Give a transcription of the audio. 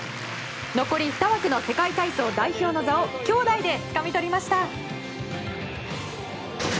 残り２枠の世界体操代表の座を兄弟でつかみ取りました。